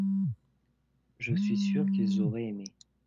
je suis sûr qu'ils auraient aimé.